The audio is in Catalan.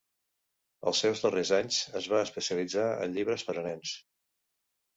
Els seus darrers anys, es va especialitzar en llibres per a nens.